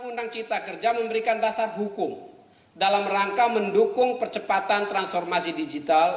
undang undang cipta kerja memberikan dasar hukum dalam rangka mendukung percepatan transformasi digital